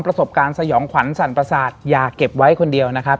ประสบการณ์สยองขวัญสั่นประสาทอย่าเก็บไว้คนเดียวนะครับ